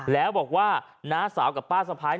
แล้วบอกว่าน้าสาวกับป้าสะพ้าย